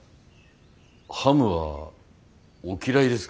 ハムはお嫌いですか。